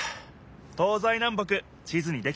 東西南北地図にできたな。